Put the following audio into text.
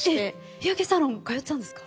日焼けサロン通ったんですか？